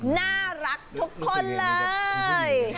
น่ารักทุกคนเลย